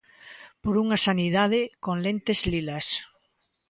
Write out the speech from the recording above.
Por unha sanidade con lentes lilas.